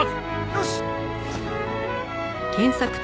よし！